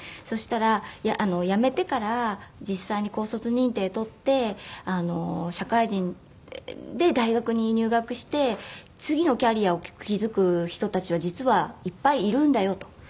そしたら「辞めてから実際に高卒認定を取って社会人で大学に入学して次のキャリアを築く人たちは実はいっぱいいるんだよ」と。